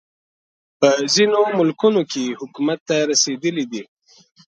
په ځینو ملکونو کې حکومت ته رسېدلی دی.